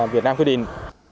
việt nam quy định